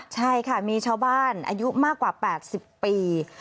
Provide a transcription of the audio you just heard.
ใช่ค่ะมีชาวบ้านอายุมากกว่า๘๐ปี